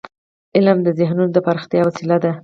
علم د ذهنونو د پراختیا وسیله ده.